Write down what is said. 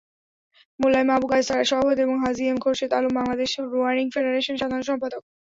মোল্লা M Abu Kaisar সভাপতি এবং Haji M Khorshed Alam Bangladesh rowing ফেডারেশনের সাধারণ সম্পাদক।